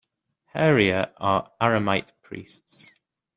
Heria are Aramite priests.